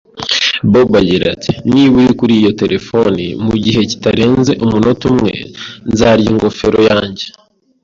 Bob agira ati: "Niba uri kuri iyo terefone mu gihe kitarenze umunota umwe, nzarya ingofero yanjye."